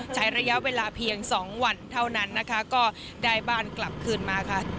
ใช้ระยะเวลาเพียง๒วันเท่านั้นนะคะก็ได้บ้านกลับคืนมาค่ะ